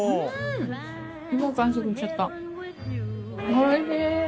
おいしい！